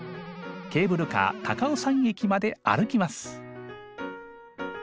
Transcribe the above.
ケーブルカー高尾山駅まで歩きます。